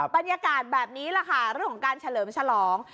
บรรยากาศแบบนี้แหละค่ะเรื่องของการเฉลิมฉลอง